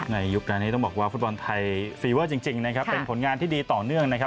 ยุคนั้นนี้ต้องบอกว่าฟุตบอลไทยฟีเวอร์จริงนะครับเป็นผลงานที่ดีต่อเนื่องนะครับ